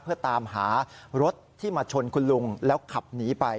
เพื่อตามหารถที่มาชนคุณลุงแล้วขับหนีไป